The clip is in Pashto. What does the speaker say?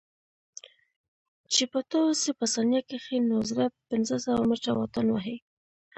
چې پټاو سي په ثانيه کښې نو زره پنځه سوه مټره واټن وهي.